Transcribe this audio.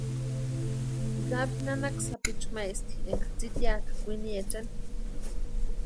Gaby nanaka sapichu maesti énka tsitiakʼa kwiniechani.